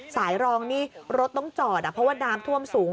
สายรองนี่รถต้องจอดเพราะว่าน้ำท่วมสูง